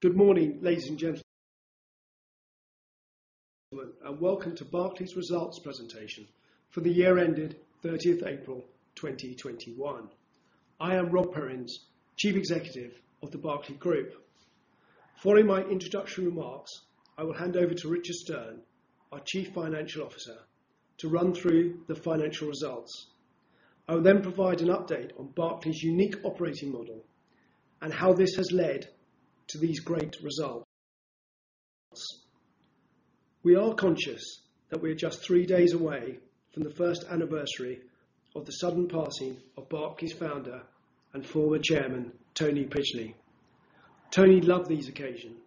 Good morning, ladies and gentlemen, welcome to Berkeley's results presentation for the year ended 30th April 2021. I am Rob Perrins, Chief Executive of The Berkeley Group. Following my introductory remarks, I will hand over to Richard Stearn, our Chief Financial Officer, to run through the financial results. I will provide an update on Berkeley's unique operating model and how this has led to these great results. We are conscious that we are just three days away from the first anniversary of the sudden passing of Berkeley's founder and former chairman, Tony Pidgley. Tony loved these occasions,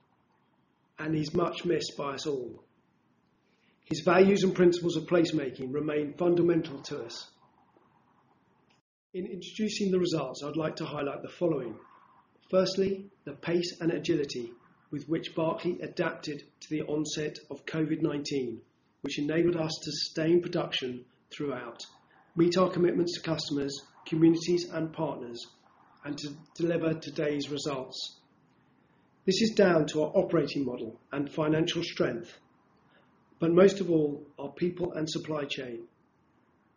he's much missed by us all. His values and principles of placemaking remain fundamental to us. In introducing the results, I'd like to highlight the following. Firstly, the pace and agility with which Berkeley adapted to the onset of COVID-19, which enabled us to sustain production throughout, meet our commitments to customers, communities, and partners, and to deliver today's results. This is down to our operating model and financial strength, but most of all, our people and supply chain,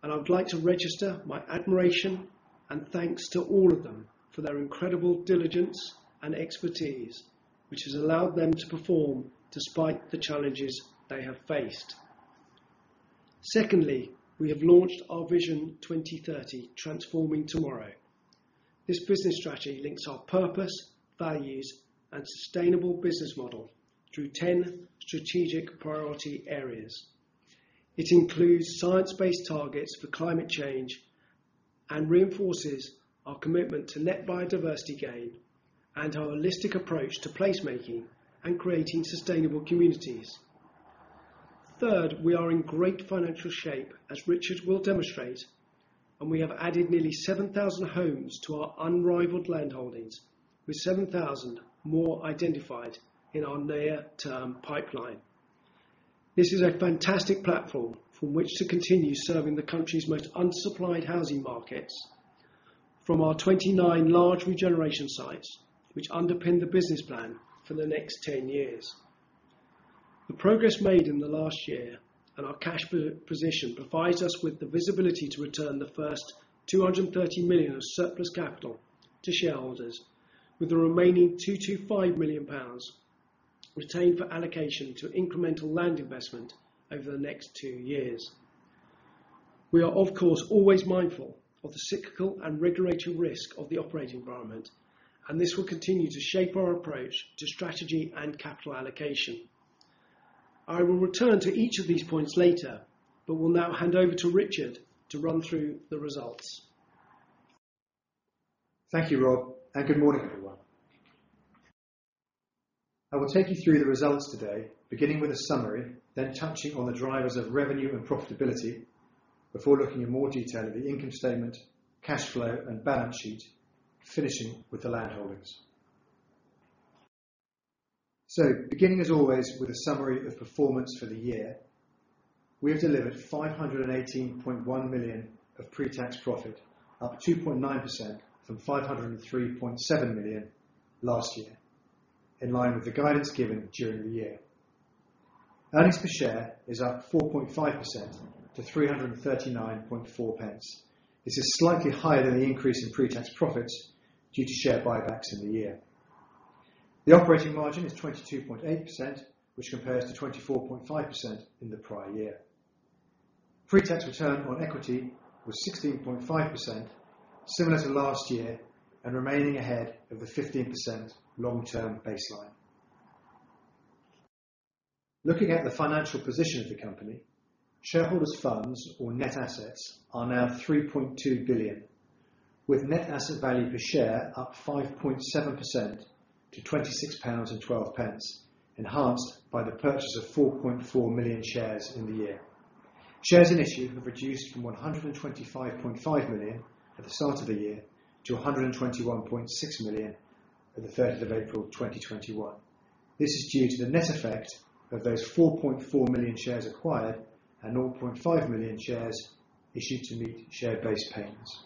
and I would like to register my admiration and thanks to all of them for their incredible diligence and expertise, which has allowed them to perform despite the challenges they have faced. Secondly, we have launched Our Vision 2030, Transforming Tomorrow. This business strategy links our purpose, values, and sustainable business model through 10 strategic priority areas. It includes science-based targets for climate change and reinforces our commitment to net biodiversity gain and our holistic approach to placemaking and creating sustainable communities. Third, we are in great financial shape, as Richard will demonstrate, and we have added nearly 7,000 homes to our unrivaled land holdings, with 7,000 more identified in our near-term pipeline. This is a fantastic platform from which to continue serving the country's most unsupplied housing markets from our 29 large regeneration sites, which underpin the business plan for the next 10 years. The progress made in the last year and our cash position provides us with the visibility to return the first £230 million of surplus capital to shareholders, with the remaining £225 million retained for allocation to incremental land investment over the next 2 years. We are, of course, always mindful of the cyclical and regulatory risk of the operating environment, and this will continue to shape our approach to strategy and capital allocation. I will return to each of these points later but will now hand over to Richard to run through the results. Thank you, Rob, and good morning, everyone. I will take you through the results today, beginning with a summary, then touching on the drivers of revenue and profitability before looking in more detail at the income statement, cash flow, and balance sheet, finishing with the land holdings. Beginning, as always, with a summary of performance for the year. We have delivered 518.1 million of pre-tax profit, up 2.9% from 503.7 million last year, in line with the guidance given during the year. Earnings per share is up 4.5% to 3.394. This is slightly higher than the increase in pre-tax profits due to share buybacks in the year. The operating margin is 22.8%, which compares to 24.5% in the prior year. Pre-tax return on equity was 16.5%, similar to last year and remaining ahead of the 15% long-term baseline. Looking at the financial position of the company, shareholders' funds or net assets are now £3.2 billion, with net asset value per share up 5.7% to £26.12, enhanced by the purchase of 4.4 million shares in the year. Shares in issue have reduced from 125.5 million at the start of the year to 121.6 million at the 3rd of April 2021. This is due to the net effect of those 4.4 million shares acquired and 0.5 million shares issued to meet share-based payments.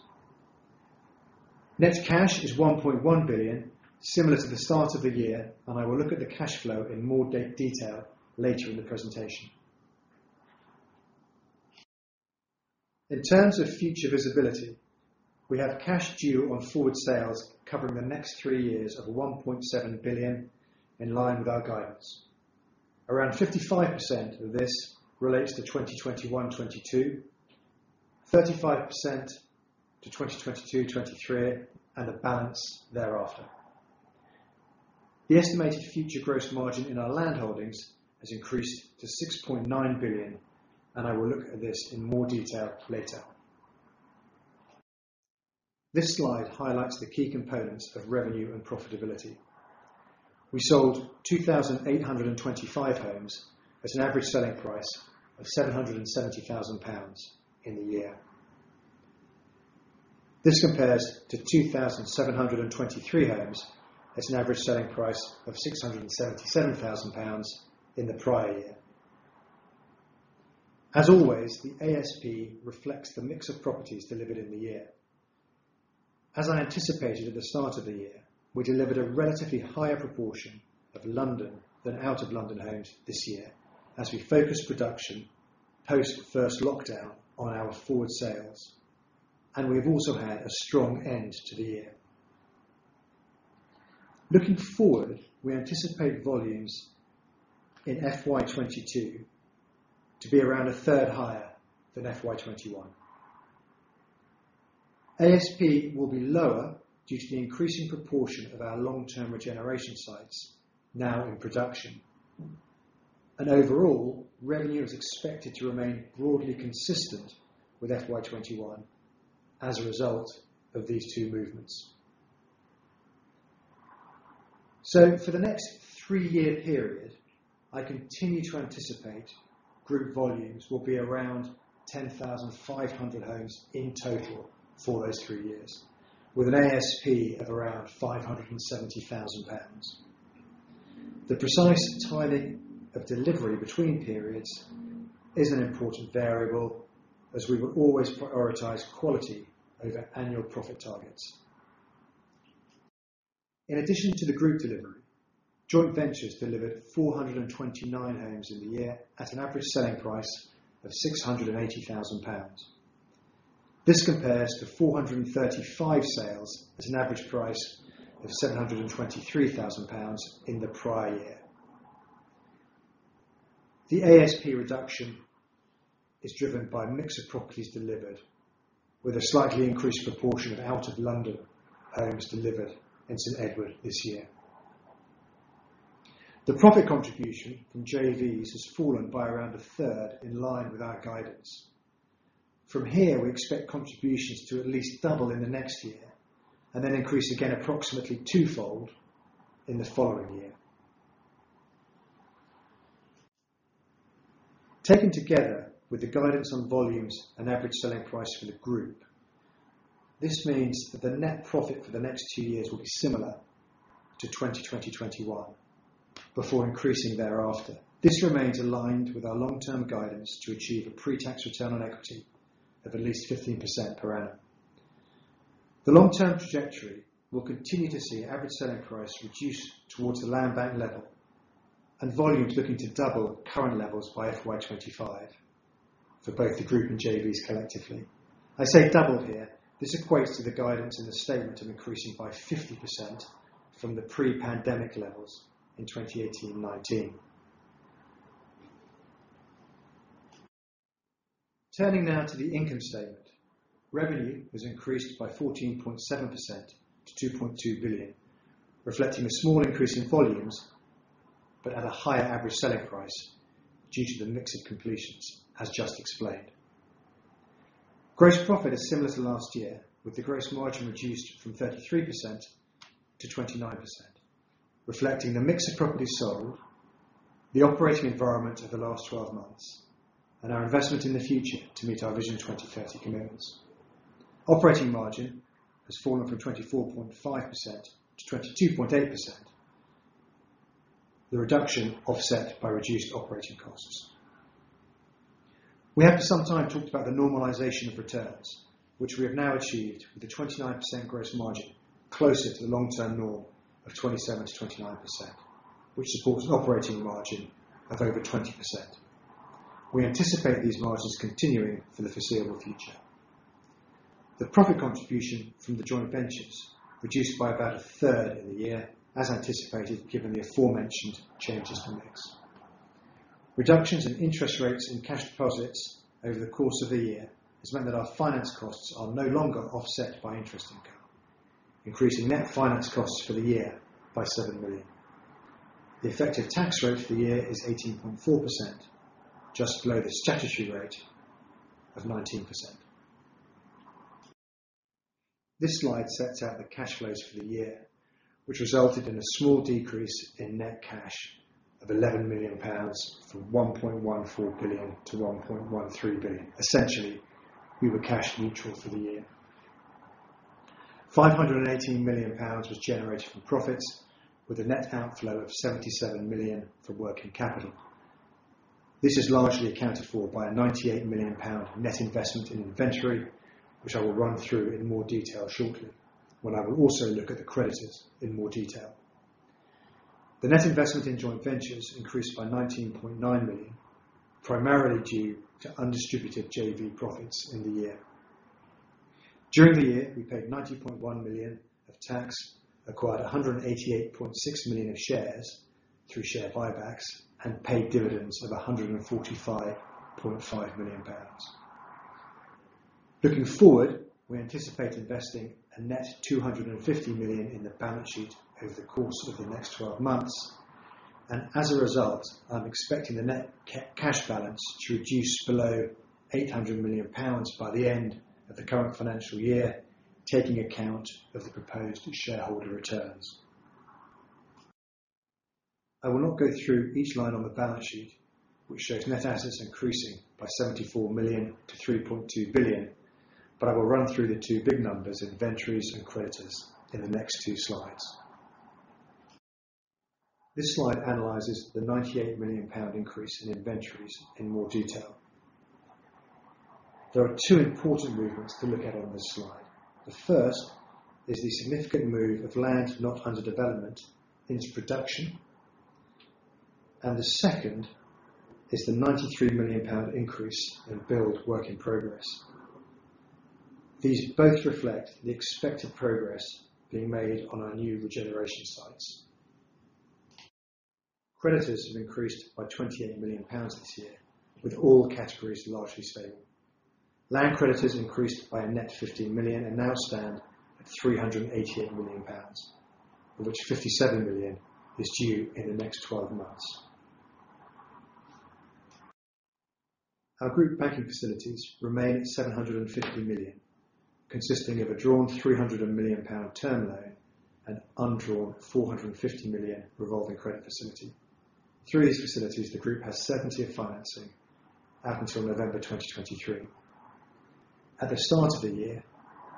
Net cash is £1.1 billion, similar to the start of the year, I will look at the cash flow in more detail later in the presentation. In terms of future visibility, we have cash due on forward sales covering the next three years of £1.7 billion, in line with our guidance. Around 55% of this relates to 2021, 2022, 35% to 2022, 2023, and the balance thereafter. The estimated future gross margin in our land holdings has increased to 6.9 billion, and I will look at this in more detail later. This slide highlights the key components of revenue and profitability. We sold 2,825 homes at an average selling price of 770,000 pounds in the year. This compares to 2,723 homes at an average selling price of 677,000 pounds in the prior year. As always, the ASP reflects the mix of properties delivered in the year. As I anticipated at the start of the year, we delivered a relatively higher proportion of London than out of London homes this year as we focused production post first lockdown on our forward sales, and we have also had a strong end to the year. Looking forward, we anticipate volumes in FY 2022 to be around a third higher than FY 2021. ASP will be lower due to the increasing proportion of our long-term regeneration sites now in production. Overall, revenue is expected to remain broadly consistent with FY 2021 as a result of these two movements. For the next 3-year period, I continue to anticipate group volumes will be around 10,500 homes in total for those 3 years, with an ASP of around £570,000. The precise timing of delivery between periods is an important variable, as we will always prioritize quality over annual profit targets. In addition to the group delivery, joint ventures delivered 429 homes in the year at an average selling price of £680,000. This compares to 435 sales at an average price of £723,000 in the prior year. The ASP reduction is driven by a mix of properties delivered with a slightly increased proportion of out of London homes delivered in St. Edward this year. The profit contribution from JVs has fallen by around a third in line with our guidance. From here, we expect contributions to at least double in the next year and then increase again approximately twofold in the following year. Taken together with the guidance on volumes and average selling price for the group, this means that the net profit for the next 2 years will be similar to 2020/21 before increasing thereafter. This remains aligned with our long-term guidance to achieve a pre-tax return on equity of at least 15% per annum. The long-term trajectory will continue to see average selling price reduce towards the land bank level and volumes looking to double current levels by FY 2025 for both the group and JVs collectively. I say double here, this equates to the guidance in the statement increasing by 50% from the pre-pandemic levels in 2018 and 2019. Turning now to the income statement. Revenue was increased by 14.7% to £2.2 billion, reflecting a small increase in volumes, but at a higher average selling price due to the mix of completions, as just explained. Gross profit is similar to last year, with the gross margin reduced from 33% to 29%, reflecting the mix of properties sold, the operating environment over the last 12 months, and our investment in the future to meet Our Vision 2030 commitments. Operating margin has fallen from 24.5% to 22.8%. The reduction offset by reduced operating costs. We have for some time talked about the normalization of returns, which we have now achieved with a 29% gross margin closer to the long-term norm of 27%-29%, which supports an operating margin of over 20%. We anticipate these margins continuing for the foreseeable future. The profit contribution from the joint ventures reduced by about a third in the year, as anticipated given the aforementioned changes to mix. Reductions in interest rates and cash deposits over the course of the year has meant that our finance costs are no longer offset by interest income, increasing net finance costs for the year by £7 million. The effective tax rate for the year is 18.4%, just below the statutory rate of 19%. This slide sets out the cash flows for the year, which resulted in a small decrease in net cash of £11 million from £1.14 billion to £1.13 billion. Essentially, we were cash neutral for the year. 518 million pounds was generated from profits with a net outflow of 77 million for working capital. This is largely accounted for by a 98 million pound net investment in inventory, which I will run through in more detail shortly when I will also look at the creditors in more detail. The net investment in joint ventures increased by 19.9 million, primarily due to undistributed JV profits in the year. During the year, we paid 90.1 million of tax, acquired 188.6 million of shares through share buybacks, and paid dividends of 145.5 million pounds. Looking forward, we anticipate investing a net 250 million in the balance sheet over the course of the next 12 months. As a result, I'm expecting the net cash balance to reduce below 800 million pounds by the end of the current financial year, taking account of the proposed shareholder returns. I will not go through each line on the balance sheet, which shows net assets increasing by 74 million to 3.2 billion, but I will run through the two big numbers in inventories and creditors in the next few slides. This slide analyzes the 98 million pound increase in inventories in more detail. There are two important movements to look at on this slide. The first is the significant move of land not under development into production, and the second is the 93 million pound increase in build work in progress. These both reflect the expected progress being made on our new regeneration sites. Creditors have increased by 28 million pounds this year, with all categories largely stable. Land creditors increased by a net 15 million and now stand at 388 million pounds, of which 57 million is due in the next 12 months. Our group banking facilities remain at 750 million, consisting of a drawn 300 million pound term loan and undrawn 450 million revolving credit facility. Through these facilities, the group has certainty of financing out until November 2023. At the start of the year,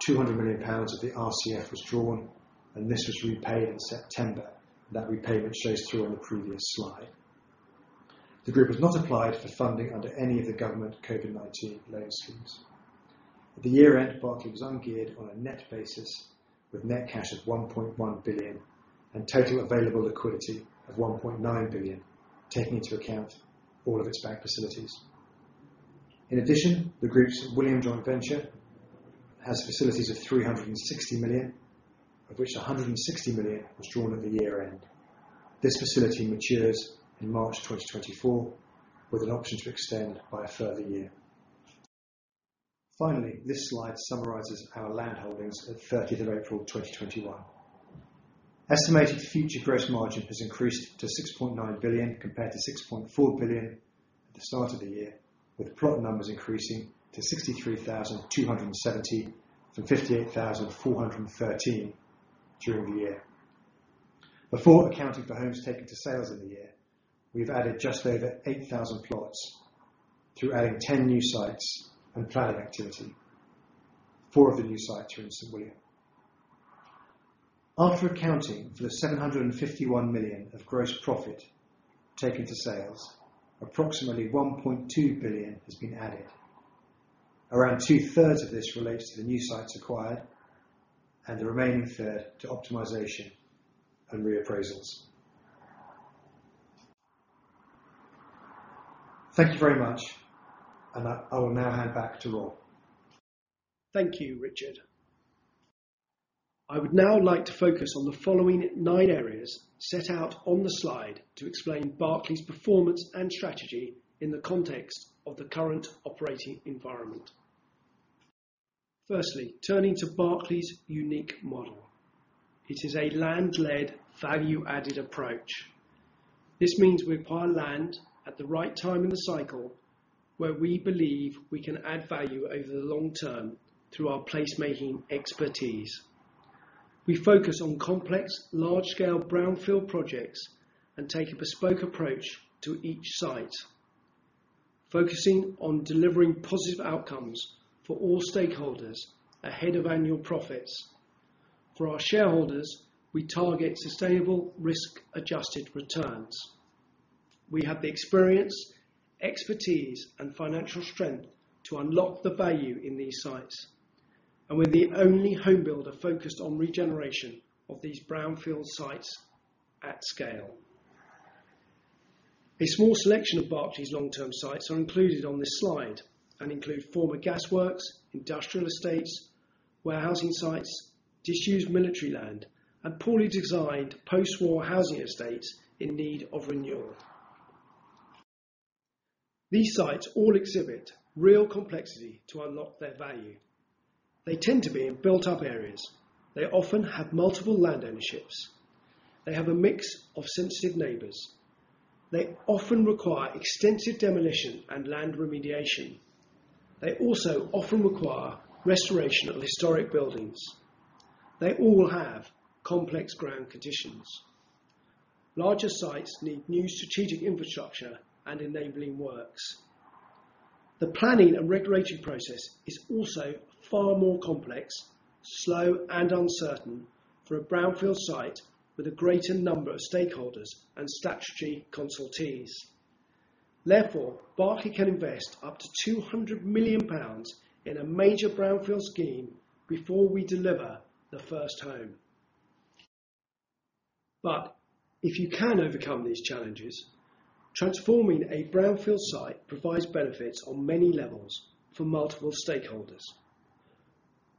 200 million pounds of the RCF was drawn and this was repaid in September. That repayment shows through on the previous slide. The group has not applied for funding under any of the government COVID-19 loan schemes. At the year end, Berkeley was ungeared on a net basis with net cash of 1.1 billion and total available liquidity of 1.9 billion, taking into account all of its bank facilities. In addition, the group's St William venture has facilities of 360 million, of which 160 million was drawn at the year end. This facility matures in March 2024, with an option to extend by a further year. Finally, this slide summarizes our land holdings at April 30, 2021. Estimated future gross margin has increased to 6.9 billion compared to 6.4 billion at the start of the year, with plot numbers increasing to 63,270 from 58,413 during the year. Before accounting for homes taken to sales in the year, we've added just over 8,000 plots through adding 10 new sites and planning activity. Four of the new sites are in St William. After accounting for the 751 million of gross profit taken to sales, approximately 1.2 billion has been added. Around two-thirds of this relates to the new sites acquired and the remaining third to optimization and reappraisals. Thank you very much and I will now hand back to Rob. Thank you, Richard. I would now like to focus on the following nine areas set out on the slide to explain Berkeley's performance and strategy in the context of the current operating environment. Firstly, turning to Berkeley's unique model. It is a land-led value-added approach. This means we acquire land at the right time in the cycle where we believe we can add value over the long term through our placemaking expertise. We focus on complex, large-scale brownfield projects and take a bespoke approach to each site, focusing on delivering positive outcomes for all stakeholders ahead of annual profits. For our shareholders, we target sustainable risk-adjusted returns. We have the experience, expertise, and financial strength to unlock the value in these sites, and we're the only home builder focused on regeneration of these brownfield sites at scale. A small selection of Berkeley's long term sites are included on this slide and include former gas works, industrial estates, warehousing sites, disused military land, and poorly designed post-war housing estates in need of renewal. These sites all exhibit real complexity to unlock their value. They tend to be in built up areas. They often have multiple land ownerships. They have a mix of sensitive neighbors. They often require extensive demolition and land remediation. They also often require restoration of historic buildings. They all have complex ground conditions. Larger sites need new strategic infrastructure and enabling works. The planning and regulatory process is also far more complex, slow, and uncertain for a brownfield site with a greater number of stakeholders and statutory consultees. Berkeley can invest up to 200 million pounds in a major brownfield scheme before we deliver the first home. If you can overcome these challenges, transforming a brownfield site provides benefits on many levels for multiple stakeholders.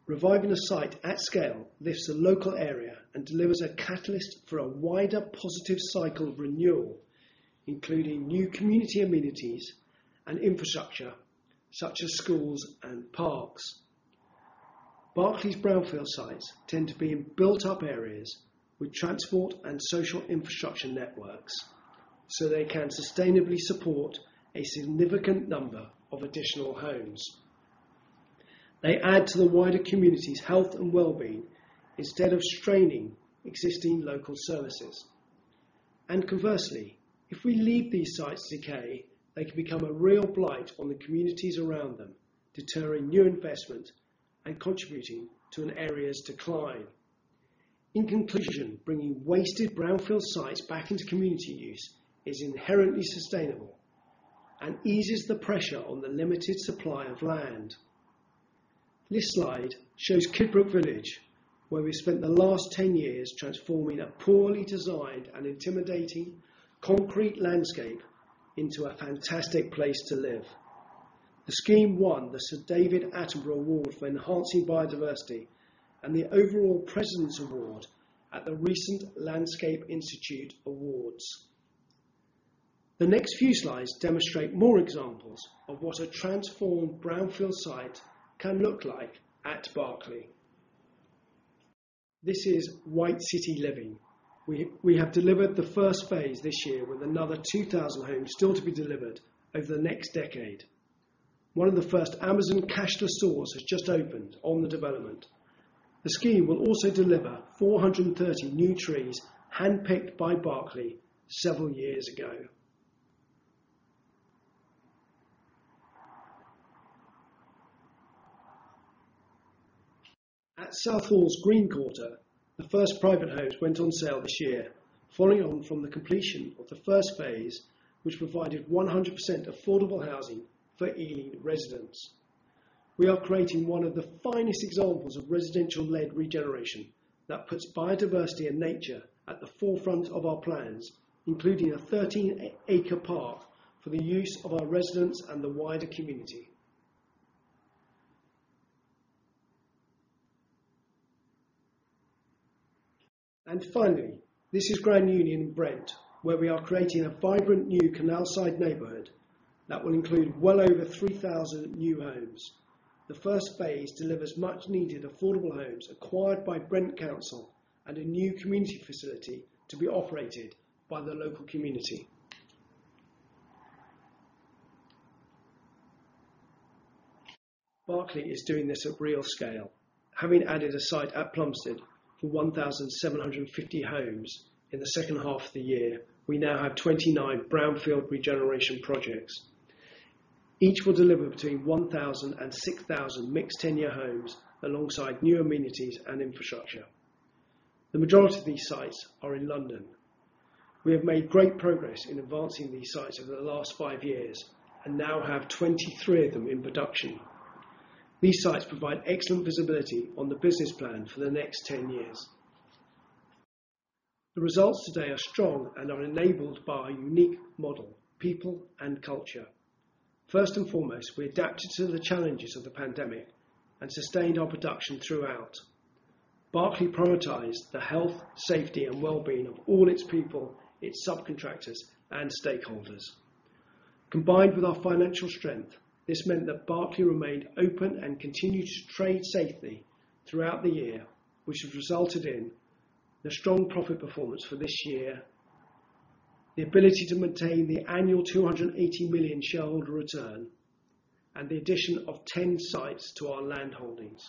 Reviving a site at scale lifts the local area and delivers a catalyst for a wider positive cycle of renewal, including new community amenities and infrastructure such as schools and parks. Berkeley brownfield sites tend to be in built up areas with transport and social infrastructure networks, so they can sustainably support a significant number of additional homes. They add to the wider community's health and wellbeing instead of straining existing local services. Conversely, if we leave these sites to decay, they can become a real blight on the communities around them, deterring new investment and contributing to an area's decline. In conclusion, bringing wasted brownfield sites back into community use is inherently sustainable and eases the pressure on the limited supply of land. This slide shows Kidbrooke Village, where we spent the last 10 years transforming a poorly designed and intimidating concrete landscape into a fantastic place to live. The scheme won the Sir David Attenborough Award for Enhancing Biodiversity and the Overall President's Award at the recent Landscape Institute Awards. The next few slides demonstrate more examples of what a transformed brownfield site can look like at Berkeley. This is White City Living. We have delivered the first phase this year with another 2,000 homes still to be delivered over the next decade. One of the first Amazon cashless stores has just opened on the development. The scheme will also deliver 430 new trees handpicked by Berkeley several years ago. At Southall's The Green Quarter, the first private homes went on sale this year, following on from the completion of the first phase, which provided 100% affordable housing for Ealing residents. We are creating one of the finest examples of residential-led regeneration that puts biodiversity and nature at the forefront of our plans, including a 13-acre park for the use of our residents and the wider community. Finally, this is Grand Union Brent, where we are creating a vibrant new canalside neighborhood that will include well over 3,000 new homes. The first phase delivers much-needed affordable homes acquired by Brent Council and a new community facility to be operated by the local community. Berkeley is doing this at real scale. Having added a site at Plumstead for 1,750 homes in the second half of the year, we now have 29 brownfield regeneration projects. Each will deliver between 1,000 and 6,000 mixed tenure homes alongside new amenities and infrastructure. The majority of these sites are in London. We have made great progress in advancing these sites over the last 5 years and now have 23 of them in production. These sites provide excellent visibility on the business plan for the next 10 years. The results today are strong and are enabled by our unique model, people, and culture. First and foremost, we adapted to the challenges of the pandemic and sustained our production throughout. Berkeley prioritized the health, safety, and wellbeing of all its people, its subcontractors, and stakeholders. Combined with our financial strength, this meant that Berkeley remained open and continued to trade safely throughout the year, which has resulted in the strong profit performance for this year, the ability to maintain the annual 280 million shareholder return, and the addition of 10 sites to our land holdings.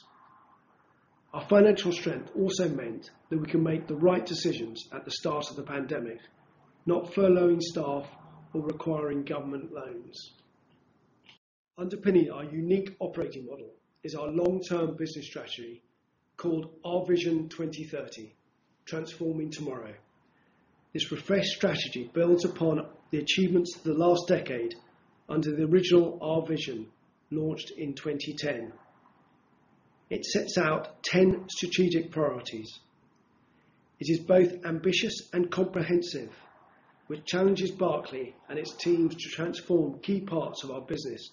Our financial strength also meant that we could make the right decisions at the start of the pandemic, not furloughing staff or requiring government loans. Underpinning our unique operating model is our long-term business strategy called Our Vision 2030, Transforming Tomorrow. This refreshed strategy builds upon the achievements of the last decade under the original Our Vision, launched in 2010. It sets out 10 strategic priorities. It is both ambitious and comprehensive, which challenges Berkeley and its teams to transform key parts of our business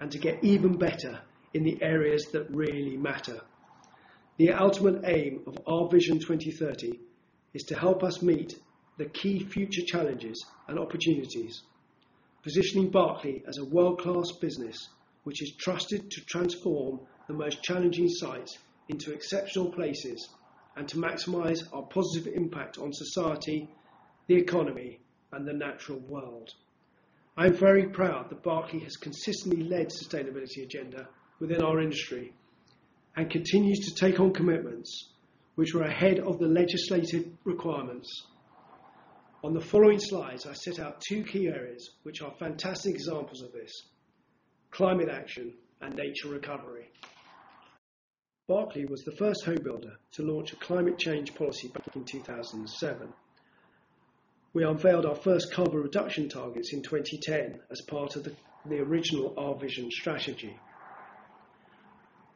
and to get even better in the areas that really matter. The ultimate aim of Our Vision 2030 is to help us meet the key future challenges and opportunities, positioning Berkeley as a world-class business, which is trusted to transform the most challenging sites into exceptional places and to maximize our positive impact on society, the economy, and the natural world. I'm very proud that Berkeley has consistently led the sustainability agenda within our industry and continues to take on commitments which are ahead of the legislative requirements. On the following slides, I set out two key areas which are fantastic examples of this, climate action and nature recovery. Berkeley was the first homebuilder to launch a climate change policy back in 2007. We unveiled our first carbon reduction targets in 2010 as part of the original Our Vision strategy.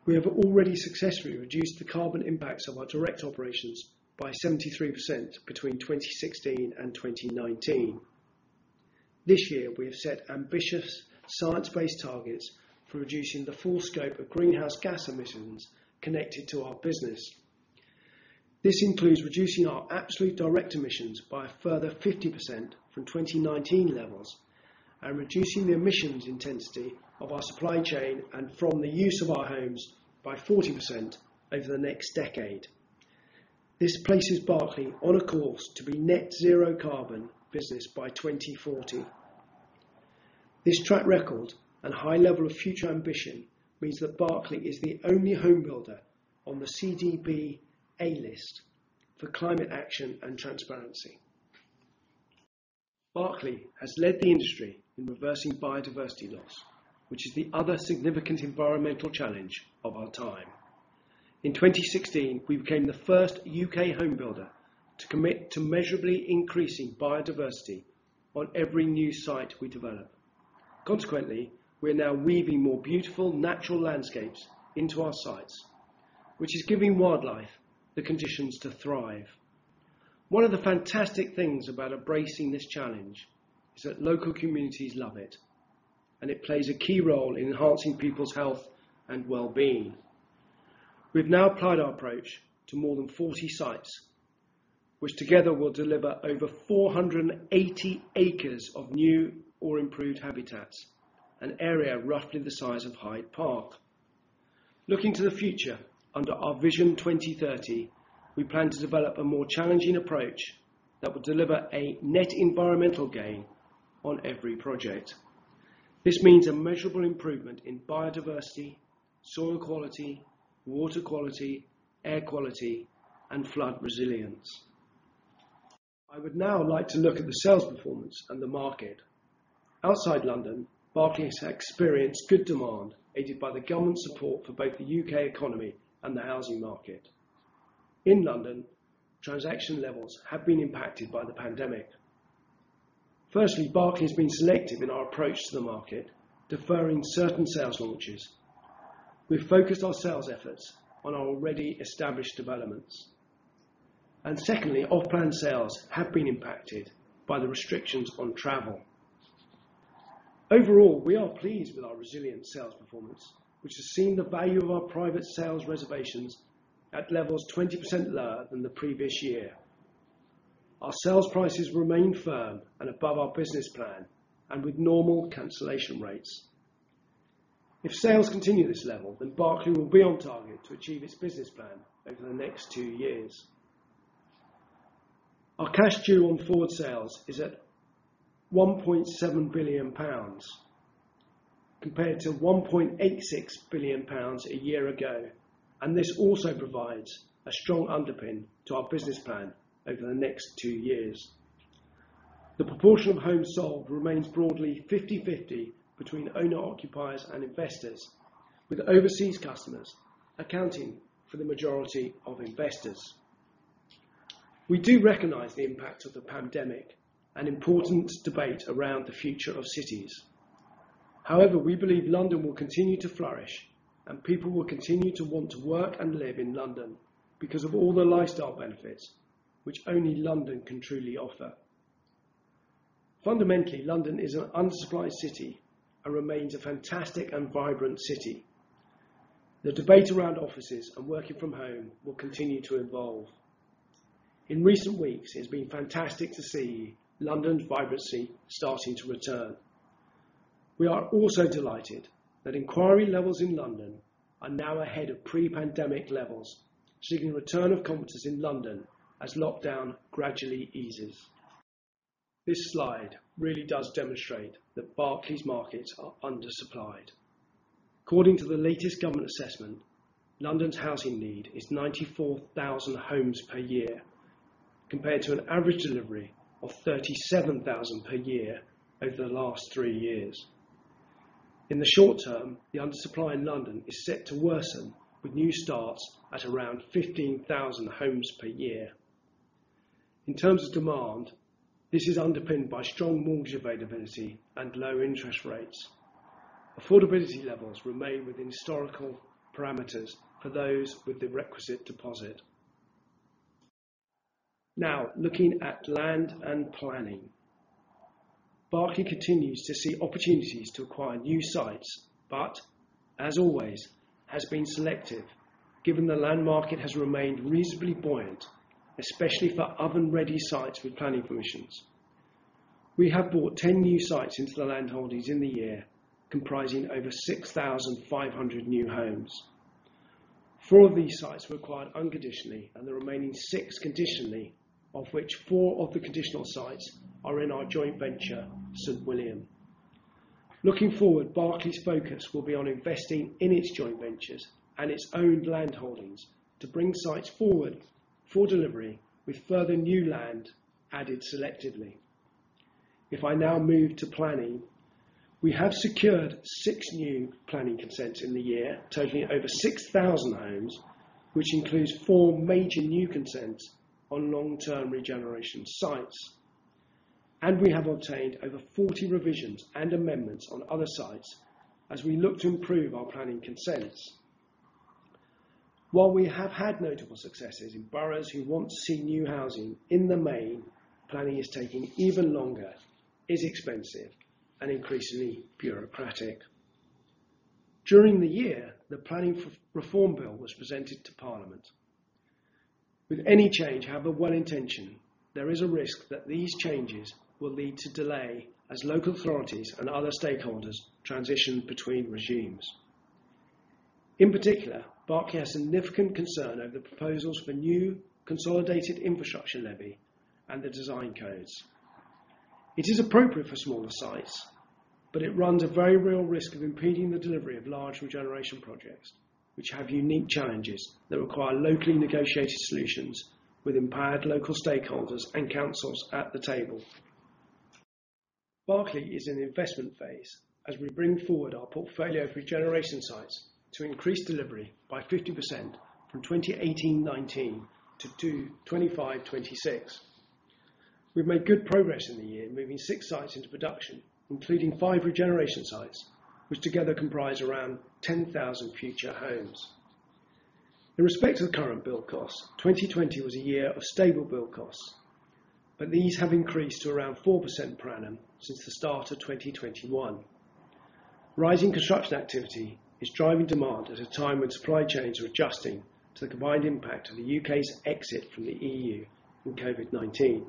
We have already successfully reduced the carbon impacts of our direct operations by 73% between 2016 and 2019. This year, we have set ambitious science-based targets for reducing the full scope of greenhouse gas emissions connected to our business. This includes reducing our absolute direct emissions by a further 50% from 2019 levels and reducing the emissions intensity of our supply chain and from the use of our homes by 40% over the next decade. This places Berkeley on a course to be a net zero carbon business by 2040. This track record and high level of future ambition means that Berkeley is the only homebuilder on the CDP A List for climate action and transparency. Berkeley has led the industry in reversing biodiversity loss, which is the other significant environmental challenge of our time. In 2016, we became the first U.K. home builder to commit to measurably increasing biodiversity on every new site we develop. Consequently, we are now weaving more beautiful natural landscapes into our sites, which is giving wildlife the conditions to thrive. One of the fantastic things about embracing this challenge is that local communities love it, and it plays a key role in enhancing people's health and wellbeing. We've now applied our approach to more than 40 sites, which together will deliver over 480 acres of new or improved habitats, an area roughly the size of Hyde Park. Looking to the future, under Our Vision 2030, we plan to develop a more challenging approach that will deliver a net environmental gain on every project. This means a measurable improvement in biodiversity, soil quality, water quality, air quality, and flood resilience. I would now like to look at the sales performance and the market. Outside London, Berkeley has experienced good demand aided by the government support for both the U.K. economy and the housing market. In London, transaction levels have been impacted by the pandemic. Firstly, Berkeley has been selective in our approach to the market, deferring certain sales launches. We focused our sales efforts on our already established developments. Secondly, off-plan sales have been impacted by the restrictions on travel. Overall, we are pleased with our resilient sales performance, which has seen the value of our private sales reservations at levels 20% lower than the previous year. Our sales prices remain firm and above our business plan and with normal cancellation rates. If sales continue at this level, then Berkeley will be on target to achieve its business plan over the next two years. Our cash due on forward sales is at 1.7 billion pounds, compared to 1.86 billion pounds a year ago, and this also provides a strong underpin to our business plan over the next two years. The proportion of homes sold remains broadly 50/50 between owner/occupiers and investors, with overseas customers accounting for the majority of investors. We do recognize the impact of the pandemic and important debate around the future of cities. However, we believe London will continue to flourish, and people will continue to want to work and live in London because of all the lifestyle benefits which only London can truly offer. Fundamentally, London is an undersupplied city and remains a fantastic and vibrant city. The debate around offices and working from home will continue to evolve. In recent weeks, it's been fantastic to see London vibrancy starting to return. We are also delighted that inquiry levels in London are now ahead of pre-pandemic levels, seeing the return of competence in London as lockdown gradually eases. This slide really does demonstrate that Berkeley's markets are undersupplied. According to the latest government assessment, London's housing need is 94,000 homes per year, compared to an average delivery of 37,000 per year over the last 3 years. In the short term, the undersupply in London is set to worsen with new starts at around 15,000 homes per year. In terms of demand, this is underpinned by strong mortgage availability and low interest rates. Affordability levels remain within historical parameters for those with the requisite deposit. Now looking at land and planning. Berkeley continues to see opportunities to acquire new sites, but as always, has been selective given the land market has remained reasonably buoyant, especially for oven-ready sites with planning permissions. We have bought 10 new sites into the landholdings in the year, comprising over 6,500 new homes. Four of these sites were acquired unconditionally, and the remaining 6 conditionally, of which 4 of the conditional sites are in our joint venture, St William. Looking forward, Berkeley's focus will be on investing in its joint ventures and its own land holdings to bring sites forward for delivery with further new land added selectively. If I now move to planning. We have secured 6 new planning consents in the year, totaling over 6,000 homes, which includes 4 major new consents on long-term regeneration sites. We have obtained over 40 revisions and amendments on other sites as we look to improve our planning consents. While we have had notable successes in boroughs who want to see new housing, in the main, planning is taking even longer, is expensive, and increasingly bureaucratic. During the year, the Planning Reform Bill was presented to Parliament. With any change, however well-intentioned, there is a risk that these changes will lead to delay as local authorities and other stakeholders transition between regimes. In particular, Berkeley has significant concern over the proposals for new consolidated Infrastructure Levy and the design codes. It is appropriate for smaller sites. It runs a very real risk of impeding the delivery of large regeneration projects, which have unique challenges that require locally negotiated solutions with empowered local stakeholders and councils at the table. Berkeley is in the investment phase as we bring forward our portfolio of regeneration sites to increase delivery by 50% from 2018-2019 to 2025-2026. We've made good progress in the year, moving six sites into production, including five regeneration sites, which together comprise around 10,000 future homes. In respect to current build costs, 2020 was a year of stable build costs, but these have increased to around 4% per annum since the start of 2021. Rising construction activity is driving demand at a time when supply chains are adjusting to the combined impact of the U.K.'s exit from the EU and COVID-19.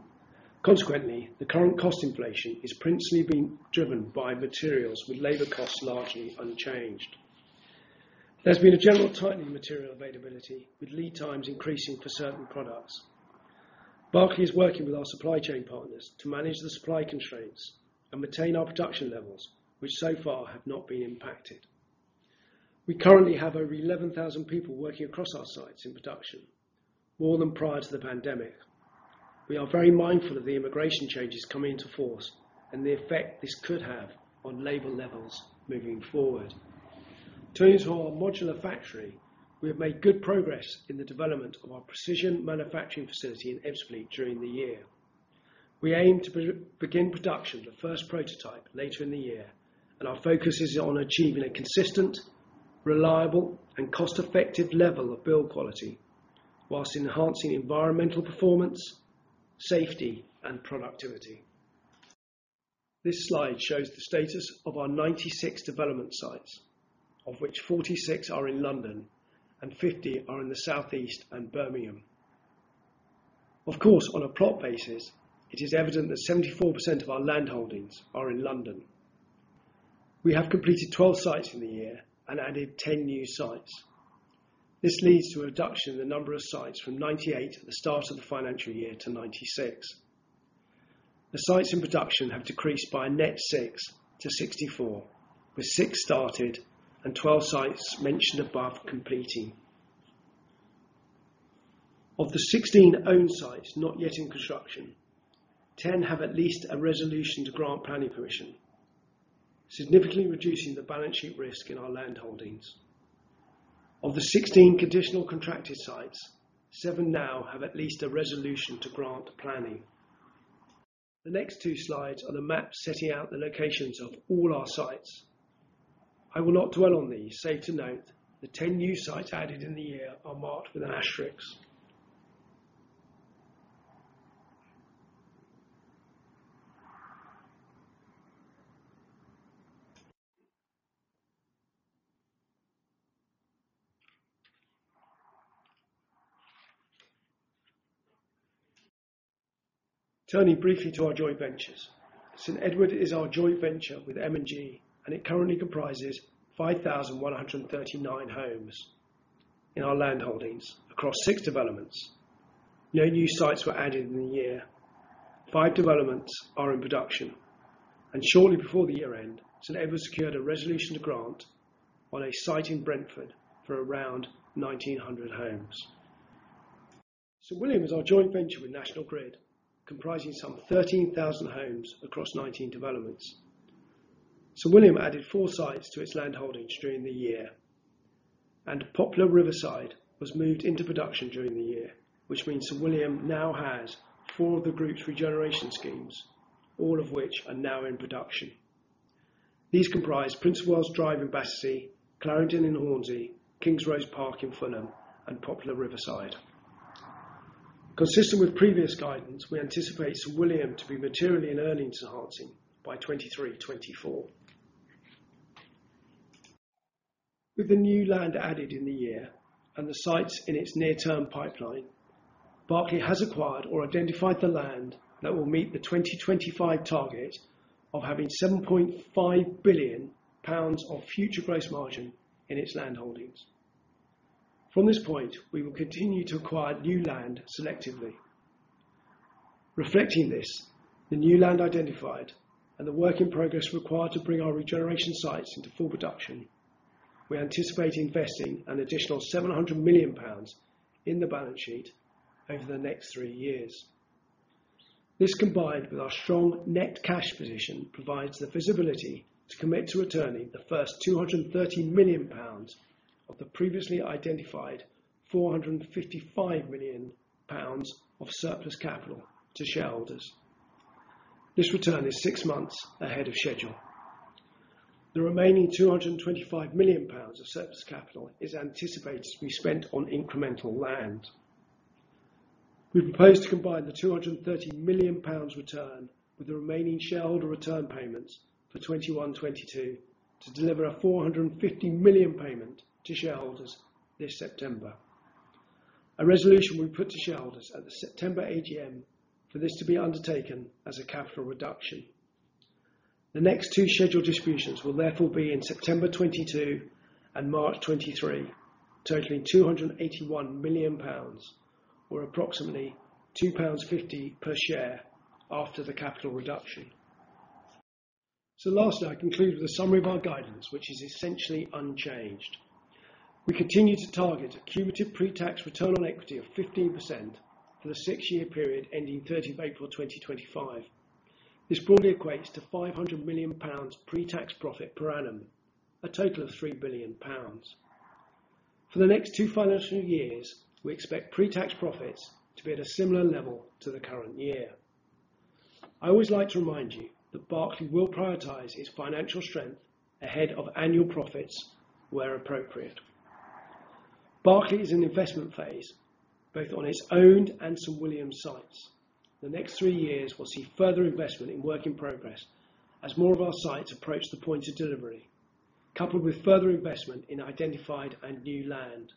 Consequently, the current cost inflation is principally being driven by materials with labor costs largely unchanged. There's been a general tightening of material availability with lead times increasing for certain products. Berkeley is working with our supply chain partners to manage the supply constraints and maintain our production levels, which so far have not been impacted. We currently have over 11,000 people working across our sites in production, more than prior to the pandemic. We are very mindful of the immigration changes coming into force and the effect this could have on labor levels moving forward. Turning to our modular factory, we have made good progress in the development of our precision manufacturing facility in Ebbsfleet during the year. We aim to begin production of the first prototype later in the year, and our focus is on achieving a consistent, reliable, and cost-effective level of build quality whilst enhancing environmental performance, safety, and productivity. This slide shows the status of our 96 development sites, of which 46 are in London and 50 are in the South East and Birmingham. Of course, on a plot basis, it is evident that 74% of our land holdings are in London. We have completed 12 sites in the year and added 10 new sites. This leads to a reduction in the number of sites from 98 at the start of the financial year to 96. The sites in production have decreased by a net 6 to 64, with 6 started and 12 sites mentioned above completing. Of the 16 owned sites not yet in construction, 10 have at least a resolution to grant planning permission, significantly reducing the balance sheet risk in our land holdings. Of the 16 conditional contracted sites, 7 now have at least a resolution to grant planning. The next 2 slides are the maps setting out the locations of all our sites. I will not dwell on these save to note the 10 new sites added in the year are marked with an asterisk. Turning briefly to our joint ventures. St. Edward is our joint venture with M&G, and it currently comprises 5,139 homes in our land holdings across six developments. No new sites were added in the year. Five developments are in production, and shortly before the year-end, St. Edward secured a resolution grant on a site in Brentford for around 1,900 homes. St William is our joint venture with National Grid, comprising some 13,000 homes across 19 developments. St William added four sites to its land holdings during the year. Poplar Riverside was moved into production during the year, which means St William now has four of the group's regeneration schemes, all of which are now in production. These comprise Prince of Wales Drive in Battersea, Clarendon in Hornsey, Kings Road Park in Fulham, and Poplar Riverside. Consistent with previous guidance, we anticipate St William to be materially earnings enhancing by 2023, 2024. With the new land added in the year and the sites in its near-term pipeline, Berkeley has acquired or identified the land that will meet the 2025 target of having 7.5 billion pounds of future gross margin in its land holdings. From this point, we will continue to acquire new land selectively. Reflecting this, the new land identified and the work in progress required to bring our regeneration sites into full production, we anticipate investing an additional 700 million pounds in the balance sheet over the next three years. This, combined with our strong net cash position, provides the visibility to commit to returning the first 230 million pounds of the previously identified 455 million pounds of surplus capital to shareholders. This return is six months ahead of schedule. The remaining 225 million pounds of surplus capital is anticipated to be spent on incremental land. We propose to combine the 230 million pounds return with the remaining shareholder return payments for 2021-2022 to deliver a 450 million payment to shareholders this September. A resolution will be put to shareholders at the September AGM for this to be undertaken as a capital reduction. The next 2 scheduled distributions will therefore be in September 2022 and March 2023, totaling GBP 281 million or approximately GBP 2.50 per share after the capital reduction. Lastly, I conclude with a summary of our guidance, which is essentially unchanged. We continue to target a cumulative pre-tax return on equity of 15% for the six-year period ending 30 April 2025. This broadly equates to 500 million pounds pre-tax profit per annum, a total of 3 billion pounds. For the next 2 financial years, we expect pre-tax profits to be at a similar level to the current year. I always like to remind you that Berkeley will prioritize its financial strength ahead of annual profits where appropriate. Berkeley is in an investment phase, both on its owned and St William sites. The next three years will see further investment in work in progress as more of our sites approach the point of delivery, coupled with further investment in identified and new land.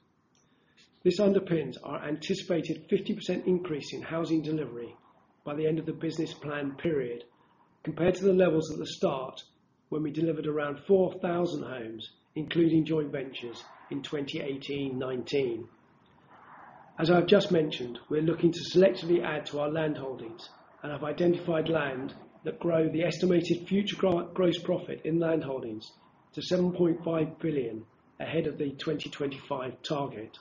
This underpins our anticipated 50% increase in housing delivery by the end of the business plan period compared to the levels at the start when we delivered around 4,000 homes, including joint ventures in 2018-19. As I've just mentioned, we are looking to selectively add to our land holdings and have identified land that grow the estimated future gross profit in land holdings to 7.5 billion ahead of the 2025 target.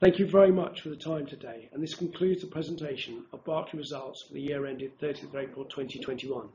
Thank you very much for the time today, and this concludes the presentation of Berkeley results for the year ended 30 April 2021.